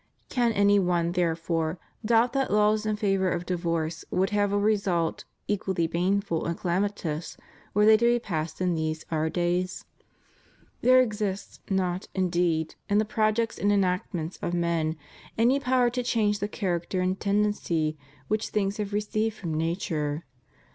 Can any one, therefore, doubt that laws in favor of divorce would have a result equally baneful and calamitous were they to be passed in these our days? There exists not, indeed, in the projects and enactments of men any power to change the character and tendency which things have received from nature.